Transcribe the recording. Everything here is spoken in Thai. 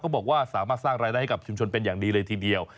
บอกว่าสามารถสร้างรายได้ให้กับชุมชนเป็นอย่างดีเลยทีเดียว